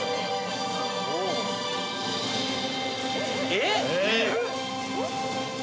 ◆えっ？